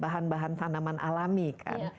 bahan bahan tanaman alami kan